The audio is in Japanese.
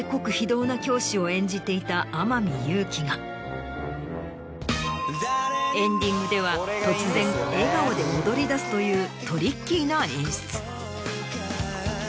を演じていた天海祐希がエンディングでは突然笑顔で踊りだすというトリッキーな演出。